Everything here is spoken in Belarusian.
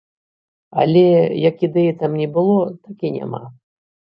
Але, як ідэі там не было, так і няма.